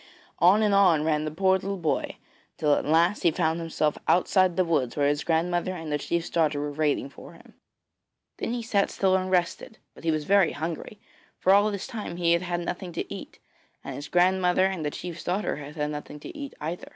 On and on ran the poor little boy, till at last he found himself outside the woods where his grandmother and the chief's daughter were waiting for him. Then he sat still and rested; but he was very hungry, for all this time he had had nothing to eat, and the grandmother and the chief's daughter had had nothing to eat either.